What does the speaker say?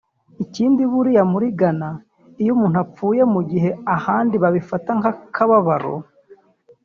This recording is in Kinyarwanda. Ikindi buriya muri Ghana iyo umuntu apfuye mugihe ahandi babifata nk’akababaro